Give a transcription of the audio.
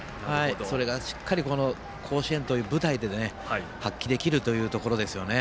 それが甲子園という舞台で発揮できるということですね